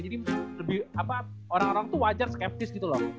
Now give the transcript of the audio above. jadi orang orang tuh wajar skeptis gitu loh